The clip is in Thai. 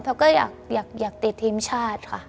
เขาก็อยากติดทีมชาติค่ะ